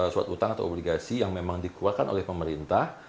surat utang atau obligasi yang memang dikeluarkan oleh pemerintah